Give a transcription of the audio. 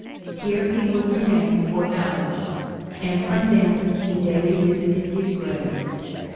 Here he would remain for hours, and from thence he daily visited his grave.